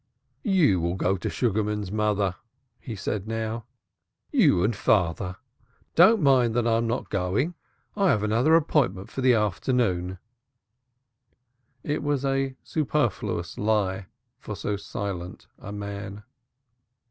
"You will go to Sugarman's, mother," he said now. "You and father. Don't mind that I'm not going. I have another appointment for the afternoon." It was a superfluous lie for so silent a man.